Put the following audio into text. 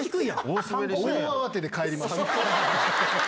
大慌てで帰りました。